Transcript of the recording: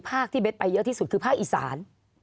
ที่เบสไปเยอะที่สุดคือภาคอีสาน